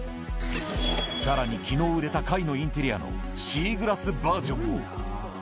さらにきのう売れた貝のインテリアのシーグラスバージョンも。